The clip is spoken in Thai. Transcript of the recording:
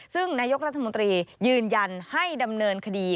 ซึ่งนายกรัฐมนตรียืนยันให้ดำเนินคดี